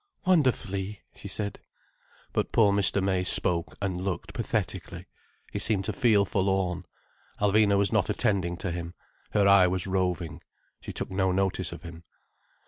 "Wonderfully," she said. But poor Mr. May spoke and looked pathetically. He seemed to feel forlorn. Alvina was not attending to him. Her eye was roving. She took no notice of him.